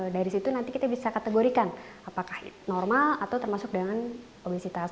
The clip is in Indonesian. dari situ nanti kita bisa kategorikan apakah normal atau termasuk dengan obesitas